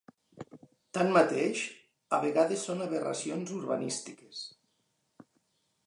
Tanmateix, a vegades són aberracions urbanístiques.